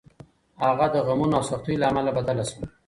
هغه د غمونو او سختیو له امله بدله شوه.